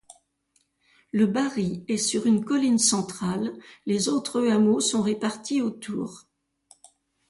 Le Barry est sur une colline centrale, les autres hameaux sont répartis autour.